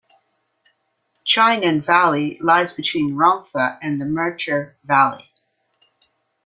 Cynon Valley lies between Rhondda and the Merthyr Valley.